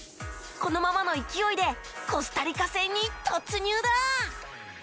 このままの勢いでコスタリカ戦に突入だ！